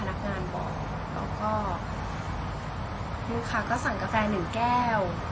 แล้วก็คุณลูกค้าก็สั่งกาแฟหนึ่งแก้ว